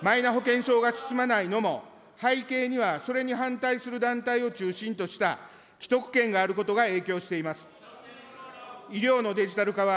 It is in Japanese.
マイナ保険証が進まないのも、背景にはそれに反対する団体を中心とした既得権があることが影響しています。